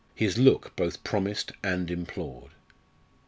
His look both promised and implored.